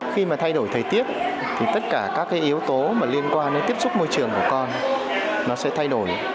khi mà thay đổi thời tiết tất cả các yếu tố liên quan đến tiếp xúc môi trường của con sẽ thay đổi